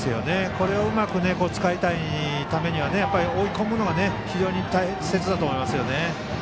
これをうまく使うためには追い込むのが非常に大切だと思いますね。